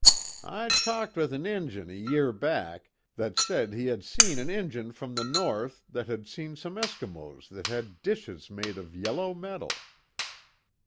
"I talked with an Injun, a year back, that said he had seen an Injun from the North that had seen some Eskimos that had dishes made of yellow metal."